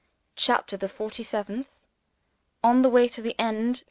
CHAPTER THE FORTY SEVENTH On the Way to the End.